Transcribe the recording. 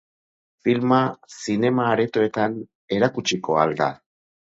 Filma zinema aretoetan erakutsiko al da?